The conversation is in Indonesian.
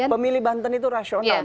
pemilih banten itu rasional